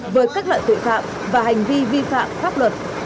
với các loại tội phạm và hành vi vi phạm pháp luật